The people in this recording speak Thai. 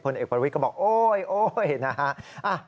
พลเอกประวิทย์ก็บอกโอ๊ยนะฮะ